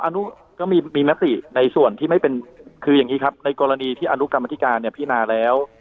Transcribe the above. อันนี้ก็มีมติในส่วนที่ไม่เป็นคืออย่างนี้ครับในกรณีที่อนุกรรมธิการเนี่ยพินาแล้ว